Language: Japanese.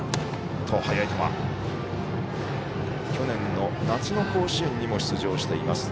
去年の夏の甲子園にも出場しています。